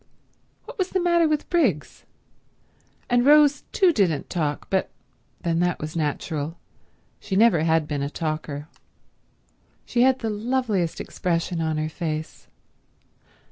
What was the matter with Briggs? And Rose too didn't talk, but then that was natural. She never had been a talker. She had the loveliest expression on her face.